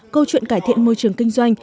câu chuyện cải thiện môi trường kinh doanh